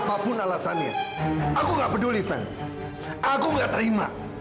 apapun alasannya aku nggak peduli van aku nggak terima